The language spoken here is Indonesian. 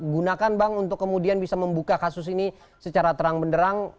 gunakan bang untuk kemudian bisa membuka kasus ini secara terang benderang